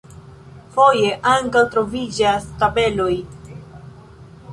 Foje ankaŭ troviĝas tabeloj.